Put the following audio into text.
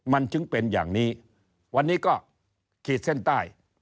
มันถึงเป็นอย่างนี้วันนี้ก็ขีดเส้นใต้